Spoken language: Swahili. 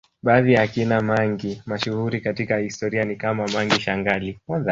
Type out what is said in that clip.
Baadhi ya akina mangi mashuhuri katika historia ni kama Mangi Shangali